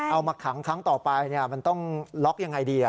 เอามาขังครั้งต่อไปมันต้องล็อกยังไงดี